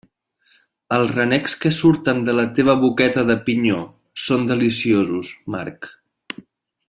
Els renecs que surten de la teva boqueta de pinyó són deliciosos, Marc.